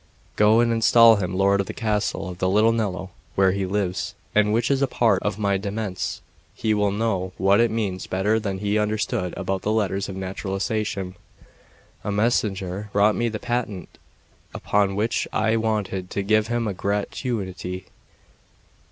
Go and install him lord of the castle of the Little Nello, where he lives, and which is a part of my demesne, He will know what that means better than he understood about the letters of naturalisation." A messenger brought me the patent, upon which I wanted to give him a gratuity.